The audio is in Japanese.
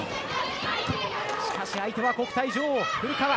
しかし相手は国体女王・古川。